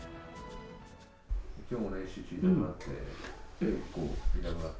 きょうも練習中に痛くなって、結構痛くなって。